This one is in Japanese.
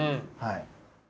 はい。